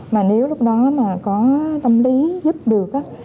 mà nếu lúc đó mà có tâm lý giúp được